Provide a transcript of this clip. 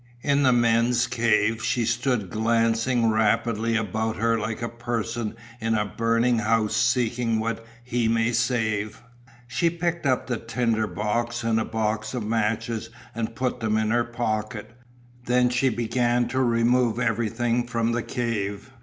In the men's cave she stood glancing rapidly about her like a person in a burning house seeking what he may save. She picked up the tinder box and the box of matches and put them in her pocket. Then she began to remove everything from the cave.